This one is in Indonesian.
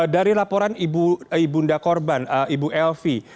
dari laporan ibu nda korban ibu elvi